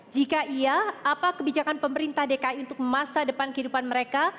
jika iya apa kebijakan pemerintah dki untuk masa depan kehidupan mereka